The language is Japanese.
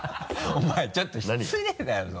お前ちょっと失礼だぞ！